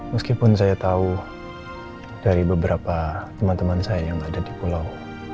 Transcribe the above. meskipun saya tahu dari beberapa teman teman saya yang ada di pulau